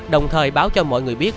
đồng thời báo cho mọi người biết